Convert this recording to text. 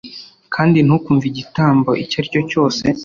Kandi ntukumve igitambo icyo ari cyo cyose